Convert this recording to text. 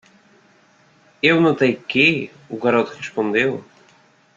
"Eu notei que?" o garoto respondeu.